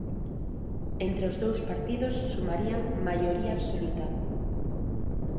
Entre os dous partidos sumarían maioría absoluta.